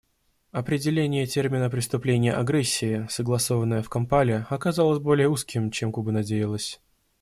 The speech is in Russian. Определение термина «преступление агрессии», согласованное в Кампале, оказалось более узким, чем Куба надеялась.